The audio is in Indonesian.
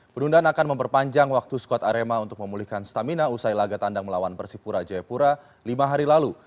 penundaan akan memperpanjang waktu skuad arema untuk memulihkan stamina usai laga tandang melawan persipura jayapura lima hari lalu